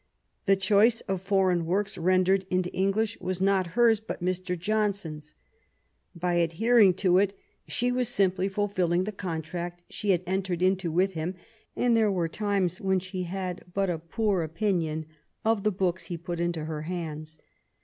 The choice of foreign works rendered into English was not hers, but Mr. Johnson's. By adhering to it she was simply fulfilling the contract she had entered into with him, and there were times when she had but a poor opinion of the books he put into her hands.